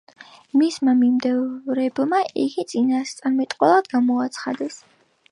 მისმა მიმდევრებმა იგი წინასწარმეტყველად გამოაცხადეს.